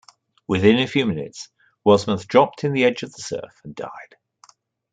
Within a few minutes, Wasmuth dropped in the edge of the surf and died.